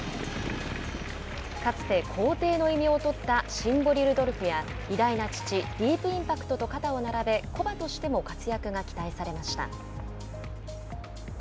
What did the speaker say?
かつて皇帝の異名を取ったシンボリルドルフや偉大な父ディープインパクトと肩を並べ古馬としても活躍が期待されました。